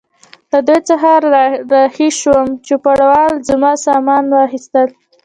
له دوی څخه را رهي شوم، چوپړوال زما سامانونه واخیستل.